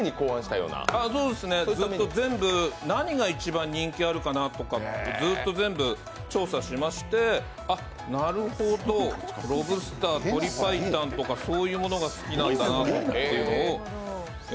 そうですね何が一番人気あるかなとかずっと全部調査しましてあ、なるほど、ロブスター、鶏白湯とかそういうものが好きなんだなっていうのを。